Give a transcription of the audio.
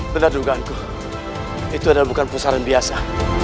benar dugaanku itu adalah bukan pusaran biasa